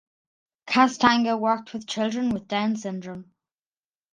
Castagna worked with children with Down Syndrome.